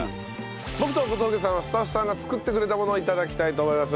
僕と小峠さんはスタッフさんが作ってくれたものを頂きたいと思います。